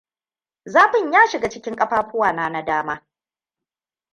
Zafin ya shiga cikin kafafuwana na dama.